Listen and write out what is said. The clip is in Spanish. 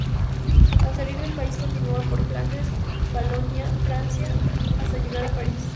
Al salir del país, continúa por Flandes, Valonia y Francia para llegar a París.